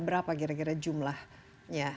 berapa gara gara jumlahnya